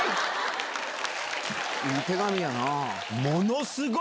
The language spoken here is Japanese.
いい手紙やな。